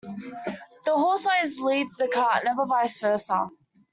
The horse always leads the cart, never vice versa.